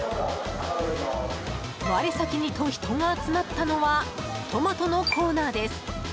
我先にと人が集まったのはトマトのコーナーです。